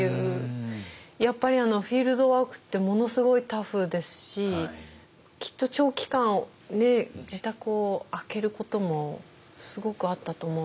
やっぱりフィールドワークってものすごいタフですしきっと長期間自宅を空けることもすごくあったと思うんですけど。